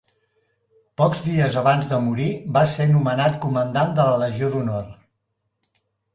Pocs dies abans de morir va ser nomenat comandant de la Legió d'honor.